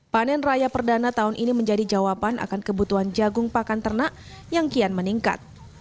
panen raya perdana tahun ini menjadi jawaban akan kebutuhan jagung pakan ternak yang kian meningkat